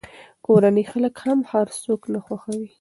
کورني خلک هم هر څوک نه خوښوي.